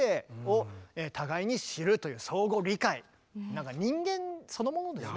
なんか人間そのものですね。